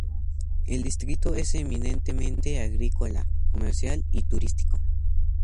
El distrito es eminentemente agrícola, comercial y turístico.